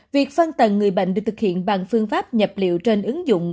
việc phân tần người bệnh được thực hiện bằng phương pháp nhập liệu trên ứng dụng